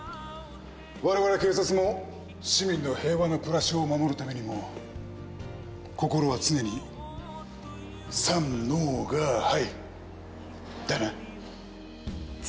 我々警察も市民の平和な暮らしを守るためにも心は常に「さんのーがーはい」だな。